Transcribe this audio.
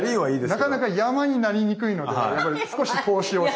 なかなか山になりにくいのでやっぱり少し投資をして頂くといいなって。